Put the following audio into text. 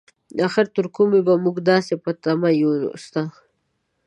اخر تر کومې به مونږ داسې په تمه يو ستا؟